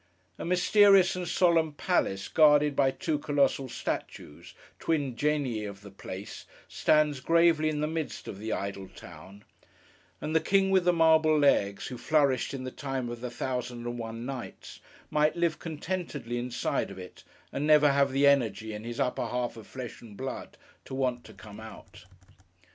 A mysterious and solemn Palace, guarded by two colossal statues, twin Genii of the place, stands gravely in the midst of the idle town; and the king with the marble legs, who flourished in the time of the thousand and one Nights, might live contentedly inside of it, and never have the energy, in his upper half of flesh and blood, to want to come out.